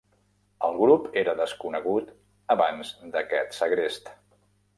El grup era desconegut abans d'aquest segrest.